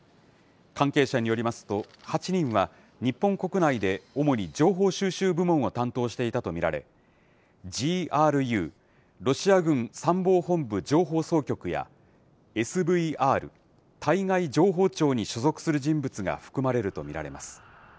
関係者によりますと、８人は日本国内で主に情報収集部門を担当していたと見られ、ＧＲＵ・ロシア軍参謀本部情報総局や、ＳＶＲ・対外情報庁に所属する人物が含まれると見られます。